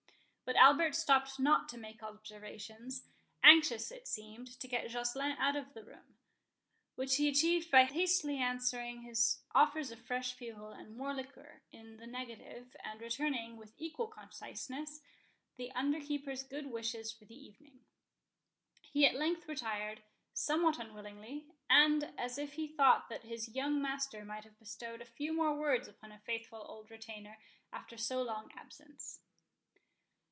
But Albert stopped not to make observations, anxious, it seemed, to get Joceline out of the room; which he achieved by hastily answering his offers of fresh fuel, and more liquor, in the negative, and returning, with equal conciseness, the under keeper's good wishes for the evening. He at length retired, somewhat unwillingly, and as if he thought that his young master might have bestowed a few more words upon a faithful old retainer after so long absence.